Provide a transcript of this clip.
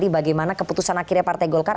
bagaimana keputusan akhirnya partai golkar